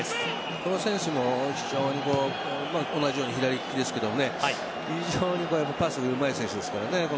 この選手も同じように左利きですが非常にパスがうまい選手です。